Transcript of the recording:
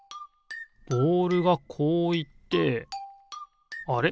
ボールがこういってあれ？